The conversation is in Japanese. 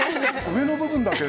上の部分だけ。